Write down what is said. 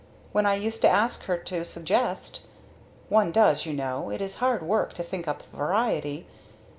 When I used to ask her to suggest (one does, you know: it is so hard to think up a variety!)